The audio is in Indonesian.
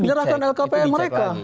menyerahkan lhkpn mereka